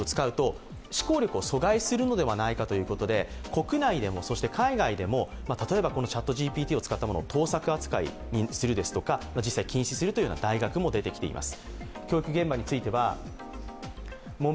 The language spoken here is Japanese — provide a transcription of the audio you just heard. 国内でも海外でも例えばこのＣｈａｔＧＰＴを使ったものを盗作扱いにするですとか、実際禁止するといった大学も出ています。